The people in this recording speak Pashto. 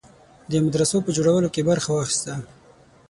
د مدرسو په جوړولو کې برخه واخیسته.